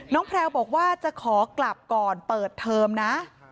แพลวบอกว่าจะขอกลับก่อนเปิดเทอมนะ